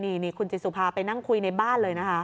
นี่คุณจิตสุภาไปนั่งคุยในบ้านเลยนะคะ